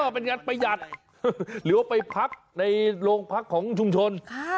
เป็นงานประหยัดหรือว่าไปพักในโรงพักของชุมชน